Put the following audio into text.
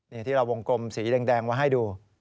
นี่ที่เราวงกลมสีแดงไว้ให้ดู